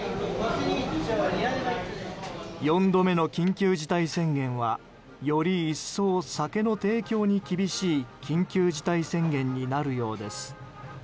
４度目の緊急事態宣言はより一層、酒の提供に厳しい緊急事態宣言になるようです。